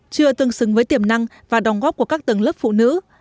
chưa tương xứng với tiềm năng và đồng góp của các tầng lớp phụ nữ